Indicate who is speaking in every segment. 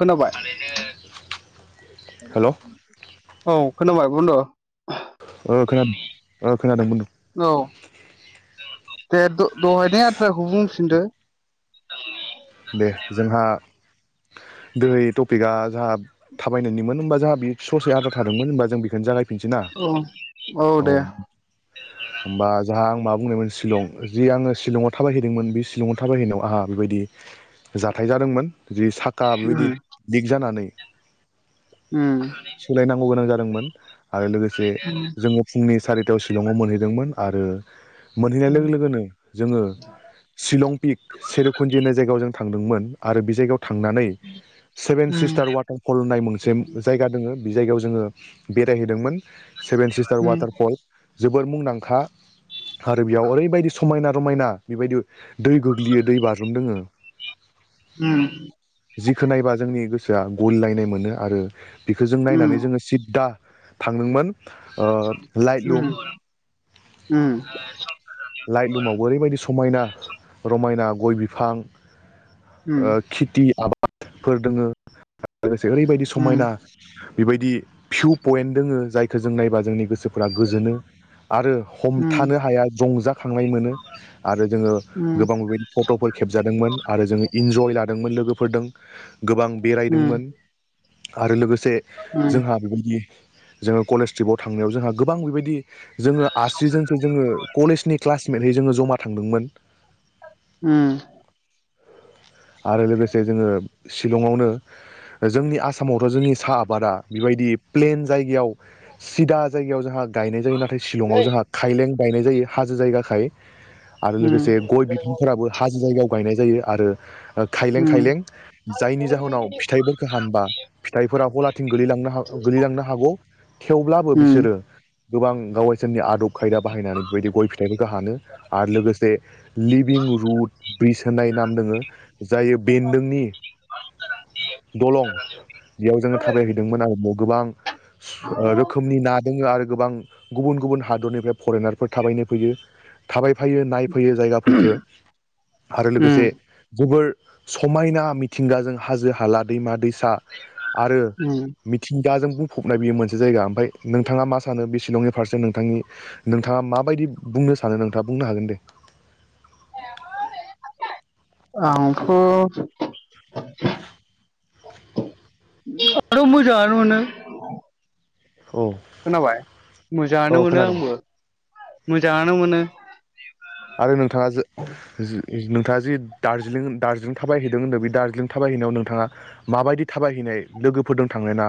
Speaker 1: खोनाबाय? [unintelligible]
Speaker 2: हेल' ओ
Speaker 1: औ खोनाबाय बुनदु?
Speaker 2: ओ खोनादो ओ खोनादों बुनदु।
Speaker 1: औ [inaudible] दे द-दहायनि आद्राखौ बुंफिनदो [unintelligible]
Speaker 2: दे जोंहा दोहै टपिकआ जोंहा थाबायनायनिमोन होमबा जोंहा बि ससे आद्रा थादोंमोन होनबा जों बेखौनो जागाय फिनसैना
Speaker 1: औ
Speaker 2: औ होनबा जोंहा आं मा बुंनायमोन सिलं सिलंआव थाबहैदोंमोन बे सिलंआव थाबायहैनायाव आहा बेबायदि जाथाय जादोंमोन जि साखा
Speaker 1: उम
Speaker 2: बेबायदि लिक जानानै
Speaker 1: उम
Speaker 2: सोलायनांगौ गोनां जा दोंमोन। आरो लोगोसे जोङो फुंनि सारि थायाव सिलंआव मोनहैदोंमोन आरो मोनहैनाय
Speaker 1: उम
Speaker 2: लोगो लोगोनो जोङो सिलं पिक सेर'खुन्जि होननाय जों थांदोंमोन आरो बि जायगाव थांनानै सेभेन
Speaker 1: उम
Speaker 2: सिस्टार वाटारफल होननाय मोनसे जायगा दङ। बि जायगायाव जोङो बेरायहैदोंमोन। सेभेन सिस्टार
Speaker 1: उम
Speaker 2: वाटारफल जोबोर मुंदांखा आरो बेयाव ओरैबायदि समायना रमायना बेबायदि दै गोग्लैयो दै बाज्रुम दोङो।
Speaker 1: उम
Speaker 2: जिखौ नायबा जोंनि गोस सोआ गलिलायनाय मोनो आरो बेखौ जों
Speaker 1: उम
Speaker 2: नायनानै जोङो सिद्दा थांदोंमोन ओ लाइ
Speaker 1: उम उम
Speaker 2: लुम
Speaker 1: उम
Speaker 2: लाइट लुमावबो ओरैबायदि समायना रमायना गइ बिफां
Speaker 1: उम
Speaker 2: ओ खेथि आबा फोर दोङो लोगोसे ओरैबायदि समायना बेबायदि भिउ पइन्ट दोङो जायखौ जों नायबा जोंनि गो सोफोरा गोजोनो आरो हमथानो हाया जंजा खांनाय मोनो। आरो जोङो
Speaker 1: उम
Speaker 2: गोबां [unintelligible] फट'फोर खेबजादोंमोन जों इनजय लादोंमोन लोगोफोरदों गोबां बेरायदोंमोन आरो लोगो से जोंहा बिबायदि जोङो कलेज ट्रिपाव थांनायाव जोंहा गोबां बिबायदि जोङो आसिजनसो जोङो कलेजनि क्लास मेरै जोङो जमा थांदोंमोन
Speaker 1: उम
Speaker 2: आरो लोगोसे जोङो सिलंआवनो जोंनि आसामावथ' जोंनि साहा आबादा बेबायदि प्लेन जायगायाव सिदा जायगायाव जोंहा गायनाय जायो नाथाय सिलंआव जोंहा खायलें गायनाय जायो हाजो जायगा थायो आरो लोगोसे गय बिफांफोराबो हाजो जायगायाव गायनाय जायो आरो खायलें खायलें जायनि जाहोनाव फिथाइफोरखौ हानबा फिथाइफोरा हलाथिं गोलैलांनो हा गोलैलांनो हागौ थेवब्लाबो बिसोरो गोबां गावगाइसोरनि आदब खायदा बाहायनानै बेबायदि गय फिथाइखौ हानो आरो लोगोसे लिभिं रुद ब्रिज होनाय नाम दोङो जायो बेन्दोंनि दलं बेयाव जोङो थाबायहैदोंमोन आरो गोबां स ओ रोखोमनि ना दोङो आरो गोबां गुबुन गुबुन हादरनिफ्राय फरेनारफोर थाबायनो फैयो थाबाय फैयो नायफैयो जायगाफोरफोरखौ आरो लोगोसे
Speaker 1: उम उम
Speaker 2: जे गोबोर समायना मिथिंगाजों हाजो हाला दैमा दै सा आरो
Speaker 1: उम
Speaker 2: मिथिं गाजों बुंफबनाय बियो मोनसे जायगा ओमफ्राय नोंथाङा मा सानो बे सिलंनि फारसे नोंथांनि नोंथाङा माबायदि बुंनो सानो नोंथाङा बुंनो हागोन दे
Speaker 1: आंथ' आरो मोजाङानो मोनो
Speaker 2: औ
Speaker 1: खोनाबाय मोजाङानो
Speaker 2: औ
Speaker 1: मोनो
Speaker 2: खोनादों
Speaker 1: आंबो मोजांनो मोननो
Speaker 2: आरो नोंथाङा जा नोंथाङा जिे दार्जिलिं दार्जिलिं थाबायहैदों होनदों बे दारजिलिं थाबायहैनायाव नोंथाङा माबायदि थाबायहैनाय लोगोफोरजों थाङ ना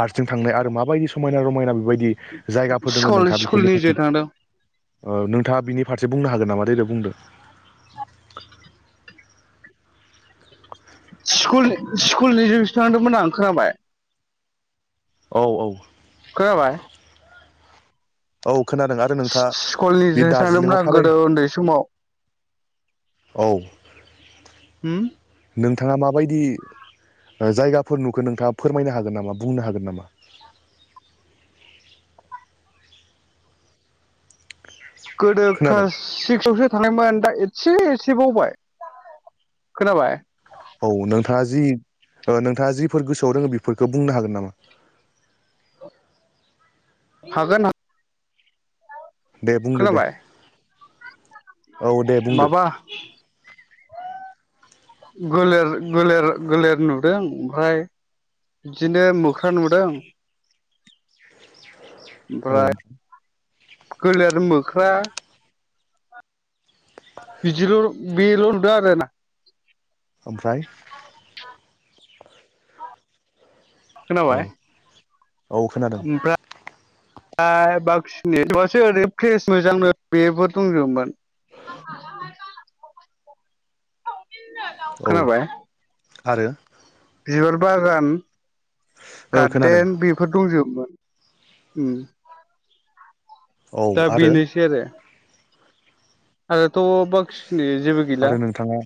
Speaker 2: हारसिं थांनाय आरो माबायदि समायना रमायना बेबायदि जायगाफोर दोङो
Speaker 1: स्कुल
Speaker 2: नोंथाङा
Speaker 1: स्कुल
Speaker 2: बेफोरनि
Speaker 1: नि जे
Speaker 2: फारसे
Speaker 1: थांदों
Speaker 2: ओ नोंथाङा बिनि फारसे बुंनो हागोन नामा दे दे बुंदों।
Speaker 1: [inaudible] स्कुल स्कुल नि जोंसो थांदोंमोन आं खोनाबाय
Speaker 2: औ औ
Speaker 1: खोनाबाय
Speaker 2: औ खोनादों आरो नोंथाङा
Speaker 1: सि स्कुलनि
Speaker 2: बे
Speaker 1: जोंसो
Speaker 2: दार्जिलिंआव
Speaker 1: थांदोंमोन आं
Speaker 2: थाबाय
Speaker 1: गोदो उन्दै समाव
Speaker 2: औ
Speaker 1: होम
Speaker 2: नोंथाङा माबायदि ओ जायगाफोर नुखो नोंथाङा फोरमायनो हागोन नामा बुंनो हागोन नामा
Speaker 1: गोदो
Speaker 2: खोनादों
Speaker 1: क्लास सिक्सआवसो थांनायमोन दा एसे एसे बावबाय खोनाबाय
Speaker 2: औ नोंथांङा जि ओ नोंथाङा जिफोर गोसोआव दंङो बेफोरखौ बुंनो हागोन नामा
Speaker 1: हागोन हा
Speaker 2: दे बुंदो दे औ दे बुंदो
Speaker 1: माबा गोलेर गोलेर गोलेर नुदों ओमफ्राय बिदिनो मोख्रा नुदों।
Speaker 2: औ
Speaker 1: ओमफ्राय गोलेर मोख्रा बिदिल बेल नुदों आरो ना
Speaker 2: ओमफ्राय औ
Speaker 1: खोनाबाय
Speaker 2: औ खोनादों।
Speaker 1: ओ बक्सिनिबासो ओरै फ्रेस मोजांनो बेबो दंजोमोन [inaudible]
Speaker 2: औ
Speaker 1: खोनाबाय
Speaker 2: आरो
Speaker 1: बिबार बागान
Speaker 2: ओ खोनादों
Speaker 1: गार्देन बेफोर दंजोबमोन उम
Speaker 2: औ
Speaker 1: दा
Speaker 2: आरो
Speaker 1: बेनोसै आरो। [unintelligible] थ बाखि खिनि जेबो गैला।
Speaker 2: आरो नोंथाङा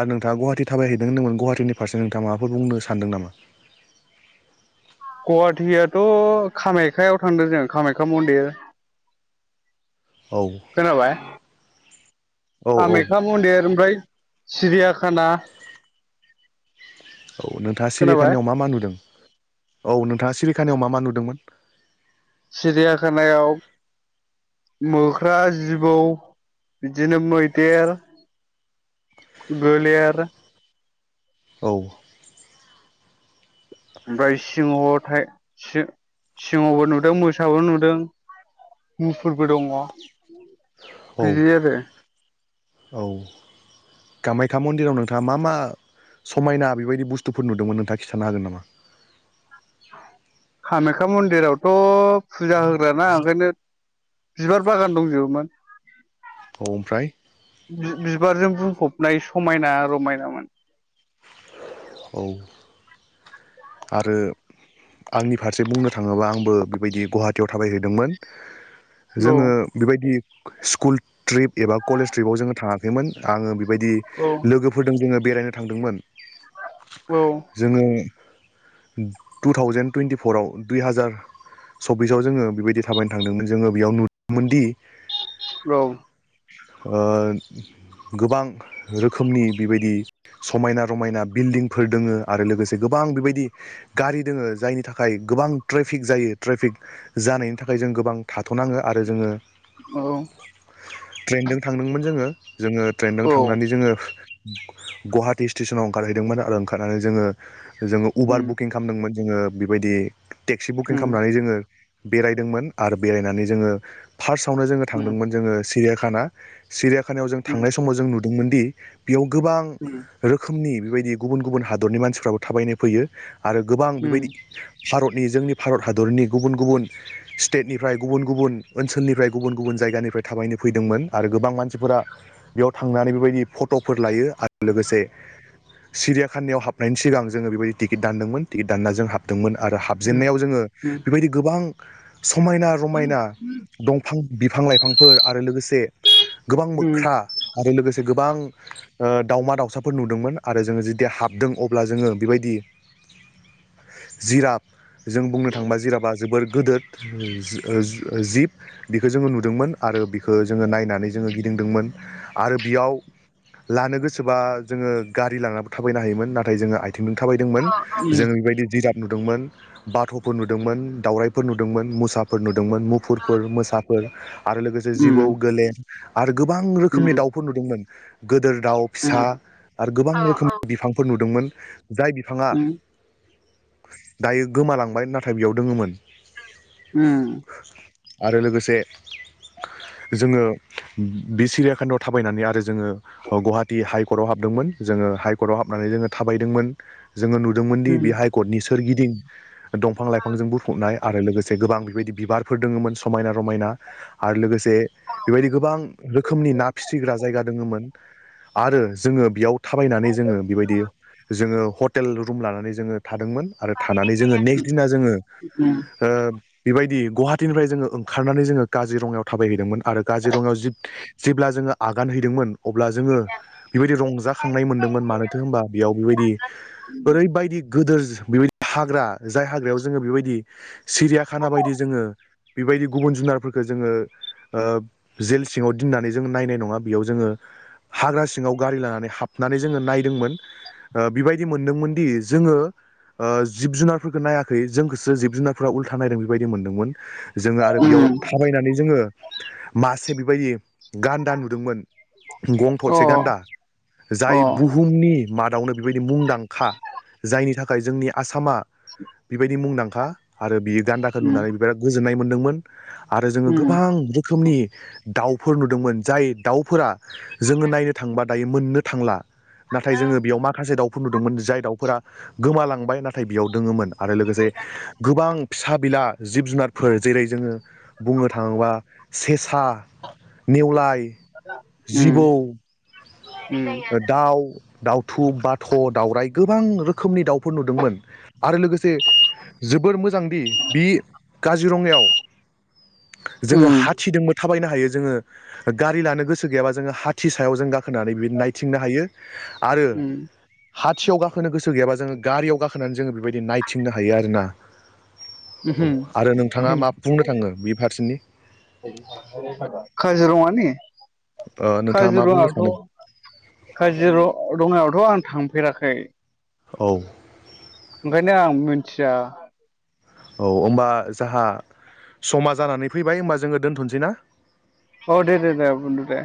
Speaker 2: आरो नोंथाङा गवाहाटि थाबायहैदों होनदोंमोन गवाहाटीनि फारसे नोंथाङा माफोर बुंनो सानदों नामा?
Speaker 1: गवाहाटीयाथ' कामाख्याायाव थांदों जोङो कामाख्या मन्दिर।
Speaker 2: औ
Speaker 1: खोनाबाय
Speaker 2: औ औ
Speaker 1: कामाख्या मन्दिर ओमफ्राय सिरियाखाना
Speaker 2: औ नोंथाङा
Speaker 1: खोनाबाय
Speaker 2: सिरियाखानायाव मा मा नुदों? औ नोंथाङा सिरि खानायाव मा मा नुदोंमोन?
Speaker 1: सिरियाखानायाव मोख्रा, जिबौ, बिदिनो मैदेर, गलेर
Speaker 2: औ।
Speaker 1: ओमफ्राय सिंह थाइ सि सिंहबो नुदों, मोसाबो नुदों, मुफुरबो दङ'।
Speaker 2: औ
Speaker 1: बिदि आरो।
Speaker 2: औ कामाख्या मन्दिराव नोंथाङा मा मा समायना बेबायदि बुस्थुफोर नुदोंमोन नोंथाङा खिन्थानो हागोन नामा?
Speaker 1: कामाख्या मन्दिरावथ' फुजा होग्राना ओंखायनो बिबार बागान दंजोबोमोन।
Speaker 2: औ ओमफ्राय?
Speaker 1: बि -बिबारजों बुंफबनाय समायना रमायनामोन।
Speaker 2: औ। आरो आंनि फारसे बुंनो थाङोबा आंबो बेबायदि गुवाहाटीयाव थाबायहैदोंमोन
Speaker 1: औ
Speaker 2: जोङो बेबायदि स्कुल ट्रिप एबा कलेज ट्रिपआव जोङो थाङाखैमोन आङो बि बायदि
Speaker 1: औ
Speaker 2: लोगोफोरदों जोङो बेरायनो थांदोंमोन।
Speaker 1: औ
Speaker 2: जोङो टु थावजेेन टुइन्टिफरआव दुइ हाजार सब्बिसाव जोङो बेबायदि थाबायनो थांदोंमोन जोङो बेयाव नुदोंमोनदि
Speaker 1: औ।
Speaker 2: ओ गोबां रोखोमनि बेबायदि समायना रमायना बिल्डिंफोर दोङो आरो लोगोसे गोबां बेबायदि गारि दोङो जायनि थाखाय गोबां ट्रेफिक जायो ट्रेफिक जानायनि थाखाय जों गोबां थाथ'नाङो आरो जोङो
Speaker 1: औ
Speaker 2: ट्रेनजों थांदोंमोन जोङो। जोङो ट्रेनजों
Speaker 1: औ
Speaker 2: थांनानै जोङो गुवाहाटि स्टेसनाव ओंखारहैदोंमोन आरो ओंखारनानै जोङो जो उबार
Speaker 1: उम
Speaker 2: बुकिं खामदोंमोन। जोङो बेबायदि टेक्सि बुकिं
Speaker 1: उम
Speaker 2: खालामनानै जोङो बेरायदोंमोन आरो बेरायनानै जोङो फार्स्ट आवनो जों
Speaker 1: उम
Speaker 2: थांदोंमोन जोङो सिरियाखा खाना सिरिया खानायाव जों
Speaker 1: उम
Speaker 2: थांनाय समाव जों नु दोंमोनदि बेयाव गोबां
Speaker 1: उम
Speaker 2: रोखोमनि बेबायदि गुबुन गुबुन हादरनि मानसिफ्राबो थाबायनो फैयो। आरो गोबां
Speaker 1: उम
Speaker 2: बेबायदि भारतनि जोंनि भारत हादरनि गुबुन गुबुन स्टेटनिफ्राय गुबुन गुबुन ओनसोलनिफ्राय गुबुन गुबुन जायगानिफ्राय थाबायनो फैदोंमोन आरो गोबां मानसिफोरा बेयाव थांनानै बेबायदि फट'फोर लायो आरो लोगोसे सिरियाखानियाव हाबनायनि सिगां जोङो बेबायदि टिकिट दानदोंमोन टिकेट दानना जों हाबदोंमोन। आरो
Speaker 1: उम
Speaker 2: हाबजेनन्नायाव जोङो
Speaker 1: उम
Speaker 2: बेबायदि गोबां समायना रमायना दंफां बिफां लाइफांफोर आरो लोगोसे गोबां
Speaker 1: उम
Speaker 2: मोख्रा आरो लोगोसे गोबां ओ दावमा दाउसाफोर नुदोंमोन आरो जोङो जुदि हाबदों अब्ला जोङो बेबायदि जिराब जों बुंनो थाङोबा जिराबा जोबोर गोदोर जिब बेखौ जोङो नुदोंमोन आरो बिखौ जोङो नायनानै जोङो गिदिंदोंमोन आरो बियाव लानो गोसोबा जोङो गारि लानानै थाबायनो हायोमोन नाथाय जोङो आथिंजों थाबायदोंमोन। जों
Speaker 1: उम
Speaker 2: बेबायदि जिराफ नुदोंमोन बाथ'फोर नुदोंमोन दावराइफोर नुदोंमोन मोसाफोर नुदों। दोंमोन मुफुरफोर मोसा फोर आरो लोगोसे
Speaker 1: उम
Speaker 2: जिबौ गोलेर आरो गोबां रोखोमनि
Speaker 1: उम
Speaker 2: दाउफोर नुदोंमोन। गोदेर दाउ फिसा आरो गोबां रोखोमनि बिफांफोर नुदोंमोन। जाय बिफाङा
Speaker 1: [unintelligible]
Speaker 2: दायो गोमालांबाय नाथाय बेयाव दोङोमोन
Speaker 1: ओम
Speaker 2: आरो लोगोसे जोङो बि सिरियाखानायाव थाबायनानै आरो जोङो गुवाहाटी हाइकर्टआव हाबदोंमोन जोङो हाइकर्टआव हाबनानै जोङो थाबायदोंमोन जोङो नुदों मोनदि
Speaker 1: उम
Speaker 2: बे हाइकर्टनि सोरगिदिं दंफां लाइफांजों बुंफबनाय आरो लोगोसे गोबां बेबायदि बिबारफोर दङमोन समायना रमायना आरो लोगोसे बेबायदि गोबां रोखोमनि ना फिसिग्रा जायगा दङोमोन आरो जोङो बेयाव थाबायनानै जोङो बेबायदि जोङो हटेल रुम लानानै जोङो थादोंमोन आरो थानानै जोङो नेक्स्ट दिना जोङो
Speaker 1: उम
Speaker 2: ओ बेबायदि गुवाहाटटिनिफ्राय जोङो ओंखारनानै जोङो काजिरङायाव थाबायहैदोंमोन आरो काजिरङायाव [unintelligible] जेब्ला जोङो आगान हैदोंमोन अब्ला जोङो बेबायदि रंजाखांनाय मोनदोंमोन मानोथो होनबा बेयाव बेबायदि ओरैबायदि गोदोरस बेबायदि हाग्रा जाय हाग्रायाव जोङो बेबायदि सिरियाखाना बायदि जोङो बेबायदि गुबुन जुनारफोरखो जोङो ओ जेल सिङाव दनानै जोङ नायनाय नङा बेयाव जोङो हाग्रा सिङाव गारि लानानै हाबनानै जोङो नायदोंमोन बेबायदि मोन मोनदोंमोनदि जोङो ओ जिब जुनारफोरखौ नायाखै जोंखौसो जिब जुनारफोरा उल्था नायदों बेबायदि मोनदोंमोन जोङो आरो
Speaker 1: उम
Speaker 2: बेयाव थाबायनानै जोङो मास बेबायदि गान्दा नुदोंमोन गं
Speaker 1: अ
Speaker 2: थसे गान्दा जाय
Speaker 1: अ
Speaker 2: बुहुमनि माद दावनो बेबायदि मुंदां खा जायनि थाखाय जोंनि आसामा बेबायदि मुंदांख खा आरो बियो दान्दाखो
Speaker 1: उम
Speaker 2: नुनानै बिबारा गोज गोजोन्नाय मोन्दोंमोन आरो जोङो
Speaker 1: उम
Speaker 2: गोबां रोख रोखोमनि दाउफोर नुदोंमोन जाय दाउफोरा जोङो नायनो थांबा दायो मोननो थांला नाथाय जोङो बेयाव माखासे दावफुर नुद जाय दावफोरा गोमालांबाय नाथाय बियाव दोङोमोन आरो लोगोसे गोबां फिसा बिला जिब जुनाद फोर जेरै जोङो बुंनो थाङोबा सेसा नेवलाय
Speaker 1: उम
Speaker 2: जिबौ ओ दाव दावथु बाथ' दावराय गोबां रोखोमनि दाव फुर नुदोंमोन। आरो लोगोसे जोबोर मोजांदि बि काजिरङायाव जोङो हाथिदोंमोन थाबायनो हायो जोङो गारि लानो गोसो गैयाबा जोङो हाथि सायाव जों गाख होनानै बिबायदि नाय थिंनो हायो आरो
Speaker 1: उम
Speaker 2: हाथियाव गाखोनो गोसो गैयाबा जोङो गारियाव गाखोनानै जोङो बेबायदि नायथिंनो हायो आरोना। आरो नोंथाङा मा बुंनो थाङो बे फारसेनि
Speaker 1: [inaudible] खाजिरंआनि?
Speaker 2: ओ नोंथाङा मा बुंनो सानो
Speaker 1: काजिरङायावथ' काजिर रङायावथ' आं थांफेराखै
Speaker 2: औ
Speaker 1: ओंखायनो आं मिनथिया।
Speaker 2: औ होमबा जाहा समा जानानै फैबाय होमबा जोङो दोन्थ'सै ना?
Speaker 1: औ दे दे बुनदु दे।